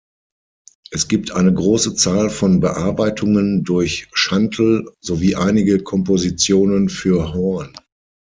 Es gibt eine große Zahl von Bearbeitungen durch Schantl sowie einige Kompositionen für Horn.